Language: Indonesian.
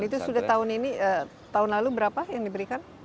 dan itu sudah tahun ini tahun lalu berapa yang diberikan